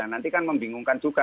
nanti kan membingungkan juga